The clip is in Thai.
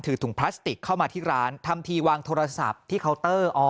ถุงพลาสติกเข้ามาที่ร้านทำทีวางโทรศัพท์ที่เคาน์เตอร์